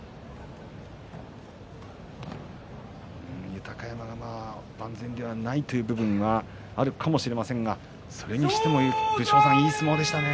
豊山が万全ではないということがあるかもしれませんが、それにしても武将山いい相撲でしたね。